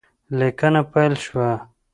لیکنه پیل شوه